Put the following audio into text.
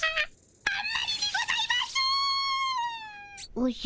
おじゃ？